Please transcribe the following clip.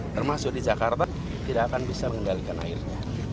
termasuk di jakarta tidak akan bisa mengendalikan airnya